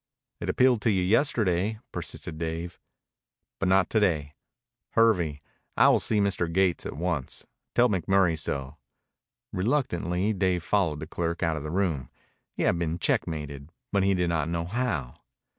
"It appealed to you yesterday," persisted Dave. "But not to day. Hervey, I will see Mr. Gates at once. Tell McMurray so." Reluctantly Dave followed the clerk out of the room. He had been checkmated, but he did not know how.